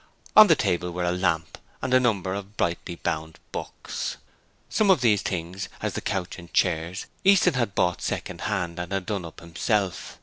On the table were a lamp and a number of brightly bound books. Some of these things, as the couch and the chairs, Easton had bought second hand and had done up himself.